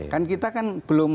kan kita kan belum